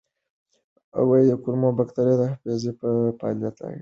کولمو بکتریاوې د حافظې په فعالیت اغېز لري.